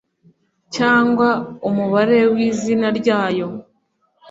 cyangwa umubare w’izina ryayo.